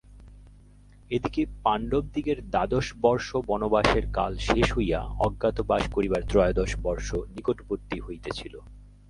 এদিকে পাণ্ডবদিগের দ্বাদশ বর্ষ বনবাসের কাল শেষ হইয়া অজ্ঞাতবাস করিবার ত্রয়োদশ বর্ষ নিকটবর্তী হইতেছিল।